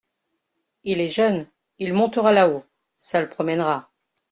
Il est jeune… il montera là-haut… ça le promènera.